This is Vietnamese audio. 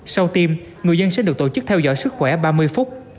sau tim người dân sẽ được tổ chức theo dõi sức khỏe ba mươi phút